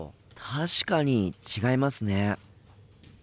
確かに違いますね。